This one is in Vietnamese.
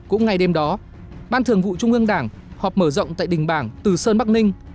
cũng ngày đêm đó ban thường vụ trung ương đảng họp mở rộng tại đình bảng từ sơn bắc ninh